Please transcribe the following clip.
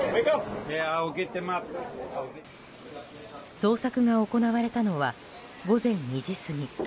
捜索が行われたのは午前２時過ぎ。